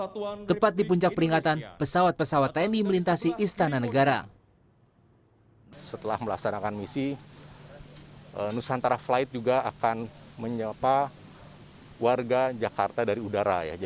tepat di puncak peringatan pesawat pesawat tni melintasi istana negara